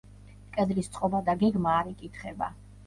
კედლის წყობა და გეგმა არ იკითხება.